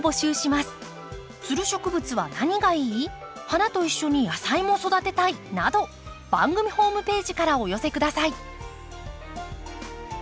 花と一緒に野菜も育てたいなど番組ホームページからお寄せ下さい。